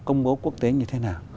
công bố quốc tế như thế nào